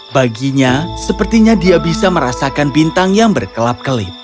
baginya sepertinya dia bisa merasakan bintang yang berkelap kelip